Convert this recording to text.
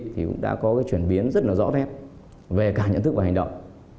cũng đã có chuyển biến rất rõ ràng về cả nhận thức và hành động